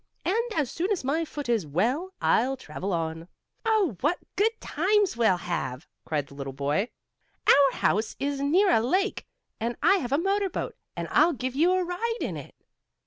And as soon as my foot is well I'll travel on." "Oh, what good times we'll have!" cried the little boy. "Our house is near a lake, and I have a motor boat. And I'll give you a ride in it."